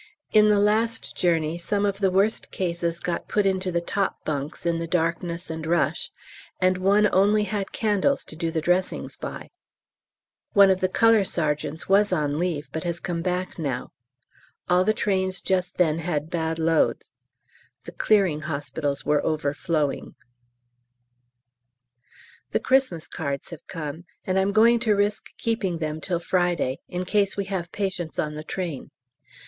In the last journey some of the worst cases got put into the top bunks, in the darkness and rush, and one only had candles to do the dressings by. One of the C.S.'s was on leave, but has come back now. All the trains just then had bad loads: the Clearing Hospitals were overflowing. The Xmas Cards have come, and I'm going to risk keeping them till Friday, in case we have patients on the train.